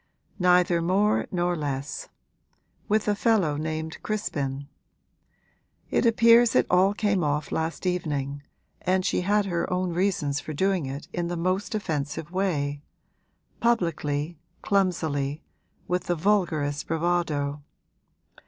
'Neither more nor less; with a fellow named Crispin. It appears it all came off last evening, and she had her own reasons for doing it in the most offensive way publicly, clumsily, with the vulgarest bravado.